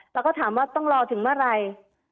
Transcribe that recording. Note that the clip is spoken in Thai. เราก็ถามว่าต้องรอถึงเมื่อไหร่